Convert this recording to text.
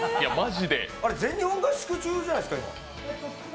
あれ、全日本合宿中じゃないですか？